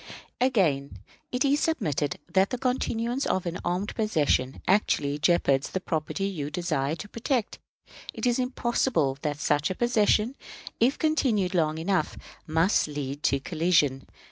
Again, it is submitted that the continuance of an armed possession actually jeopards the property you desire to protect. It is impossible but that such a possession, if continued long enough, must lead to collision.